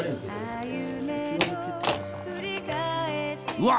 うわ！